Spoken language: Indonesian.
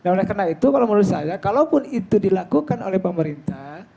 oleh karena itu kalau menurut saya kalaupun itu dilakukan oleh pemerintah